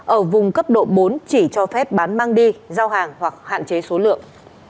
ở vùng cấp độ bốn chỉ cho phép bán mang đi giao hàng hoặc hạn chế số lượng